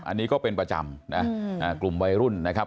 อันนี้ก็เป็นประจำนะกลุ่มวัยรุ่นนะครับ